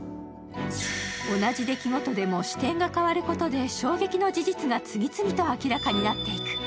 同じ出来事でも視点が変わることで、衝撃の事実が次々と明らかになっていく。